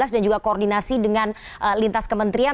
dan juga koordinasi dengan lintas kementerian